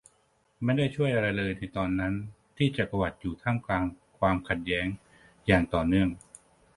ไม่ได้ช่วยอะไรเลยในตอนนั้นที่จักรวรรดิอยู่ท่ามกลางความขัดแย้งอย่างต่อเนื่อง